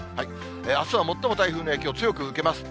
あすは最も台風の影響、強く受けます。